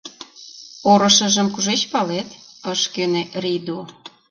— Орышыжым кушеч палет? — ыш кӧнӧ Рийду.